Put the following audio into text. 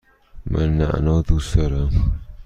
من نعنا دوست دارم.